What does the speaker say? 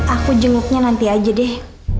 aku jenguknya nanti aja deh